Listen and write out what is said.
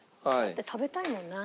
食べたいもんな。